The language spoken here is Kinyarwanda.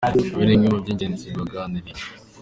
Ibi ni bimwe mu by’ingenzi baganiriye.